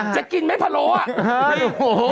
จะกินไหมพะโลอ่ะ